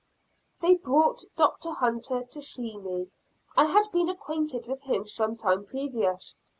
They brought Dr. Hunter to see me. I had been acquainted with him some time previous.